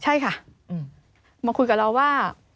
ใช่ค่ะมาคุยกับเราว่า